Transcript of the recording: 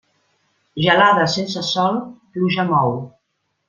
Gelada sense sol, pluja mou.